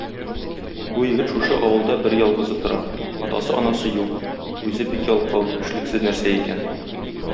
Бу егет шушы авылда берьялгызы тора, атасы-анасы юк, үзе бик ялкау, эшлексез нәрсә икән.